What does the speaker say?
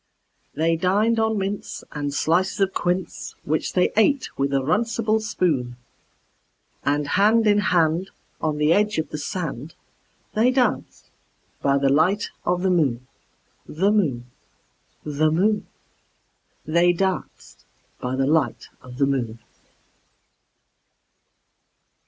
They dined on mince and slices of quince, Which they ate with a runcible spoon; And hand in hand, on the edge of the sand, They danced by the light of the moon, The moon, The moon, They danced by the light of the moon.